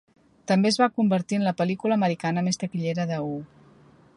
També es va convertir en la pel·lícula americana més taquillera de Woo.